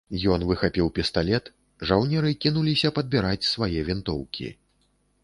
Ён выхапіў пісталет, жаўнеры кінуліся падбіраць свае вінтоўкі.